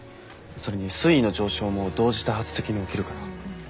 それに水位の上昇も同時多発的に起きるから。